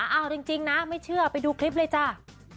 เอาจริงนะไม่เชื่อไปดูคลิปเลยจ้า